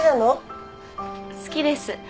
好きです。